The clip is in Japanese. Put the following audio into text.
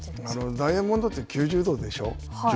ダイヤモンドって９０度でしょう。